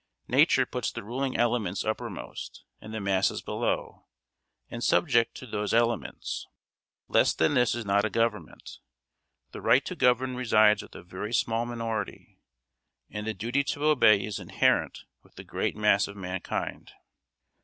Nature puts the ruling elements uppermost, and the masses below, and subject to those elements. Less than this is not a government. The right to govern resides with a very small minority, and the duty to obey is inherent with the great mass of mankind."